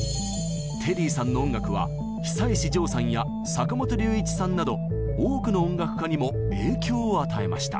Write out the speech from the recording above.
テリーさんの音楽は久石譲さんや坂本龍一さんなど多くの音楽家にも影響を与えました。